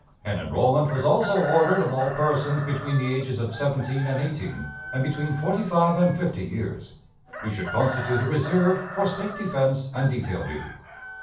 An enrollment was also ordered of all persons between the ages of seventeen and eighteen and between forty five and fifty years, who should constitute a reserve for State defense and detail duty.